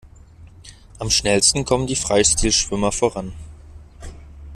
Am schnellsten kommen die Freistil-Schwimmer voran.